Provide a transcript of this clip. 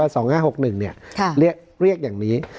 ว่า๒๕๖๑น็ี๊ยเรียกอย่างนี้